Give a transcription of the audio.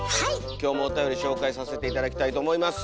今日もおたより紹介させて頂きたいと思います。